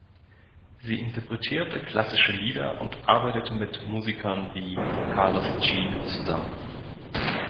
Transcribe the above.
Sie interpretierte klassische Lieder und arbeitete mit Musikern wie "Carlos Jean" zusammen.